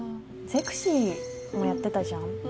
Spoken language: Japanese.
『ゼクシィ』もやってたじゃん。